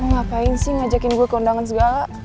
mau ngapain sih ngajakin gua ke undangan segala